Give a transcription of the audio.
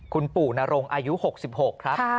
คุณปู่นรงอายุ๖๖ครับ